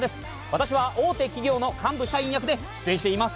私は大手企業の幹部社員役で出演しています。